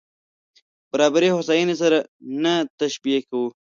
برابري هوساينې سره نه تشبیه کوو.